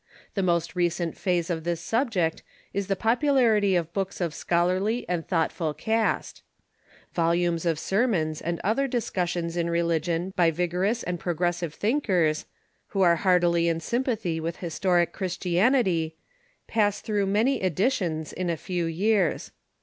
The most recent phase of this subject is the popularity of books of scholarly and thought ful cast. Volumes of sermons and other discussions in relig ion by vigorous and progressive thinkers, who are heartily in sympathy with historic Christianity, pass through many edi tions in a few years.